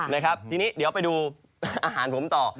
นะครับทีนี้เดี๋ยวไปดูอาหารผมต่อ